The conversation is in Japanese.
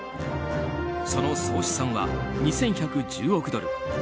その総資産は２１１０億ドル。